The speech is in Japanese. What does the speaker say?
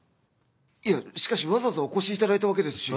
いやしかしわざわざお越しいただいたわけですし。